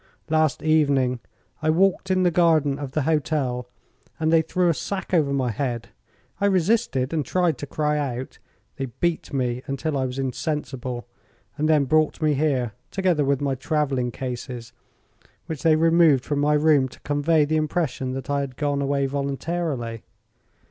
"Last evening. I walked in the garden of the hotel and they threw a sack over my head. I resisted and tried to cry out. They beat me until I was insensible and then brought me here, together with my travelling cases, which they removed from my room to convey the impression that I had gone away voluntarily.